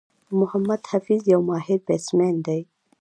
محمد حفيظ یو ماهر بيټسمېن دئ.